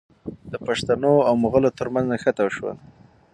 د پښتنو او مغلو ترمنځ نښته وشوه.